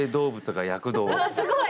すごい。